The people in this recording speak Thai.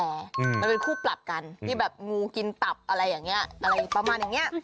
มันเป็นคู่ปรับกันที่แบบงูกินตับอะไรอย่างนี้อะไรประมาณอย่างนี้